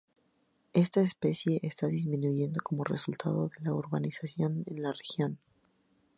Esta especie está disminuyendo como resultado de la urbanización en la región.